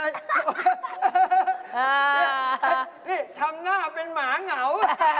นี่ทำหน้าเป็นหมาเหงา